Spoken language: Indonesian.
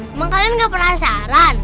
emang kalian gak penasaran